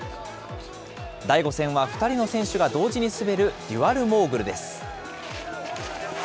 第５戦は、２人の選手が同時に滑るデュアルモーグルです。